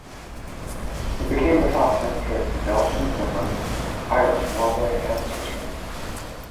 It became a top ten hit in Belgium, Finland, Ireland, Norway, and Switzerland.